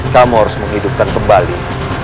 kamu harus menghidupkan kembali